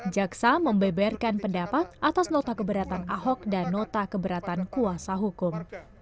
jaksa membeberkan pendapat atas nota keberatan ahok dan nota keberatan kuasa hukum